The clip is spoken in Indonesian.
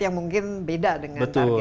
yang mungkin beda dengan target yang dimiliki